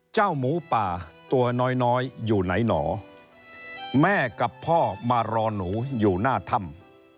หมูป่าตัวน้อยน้อยอยู่ไหนหนอแม่กับพ่อมารอหนูอยู่หน้าถ้ำ